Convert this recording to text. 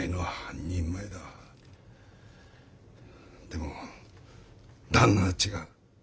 でも旦那は違う。